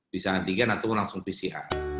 bisa antigen atau langsung fisik